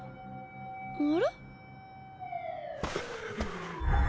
あれ？